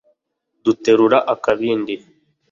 Duterura akabindi